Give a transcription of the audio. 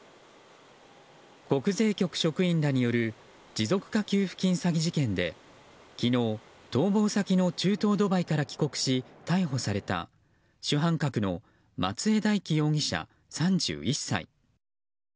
国税局職員らによる持続化給付金詐欺事件で昨日、逃亡先の中東ドバイから帰国し逮捕された主犯格の松江大樹容疑者、３１歳。